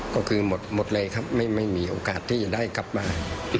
ก็คือหมดเลยครับไม่มีโอกาสที่จะได้กลับมา